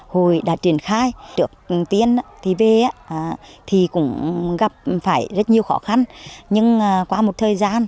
hội đã triển khai trước tiên thì cũng gặp phải rất nhiều khó khăn nhưng qua một thời gian